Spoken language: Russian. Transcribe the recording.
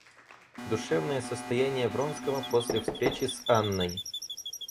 Душевное состояние Вронского после встречи с Анной.